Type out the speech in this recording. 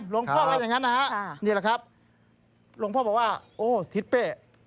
พ่อว่าอย่างนั้นนะฮะนี่แหละครับหลวงพ่อบอกว่าโอ้ทิศเป้